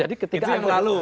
itu yang lalu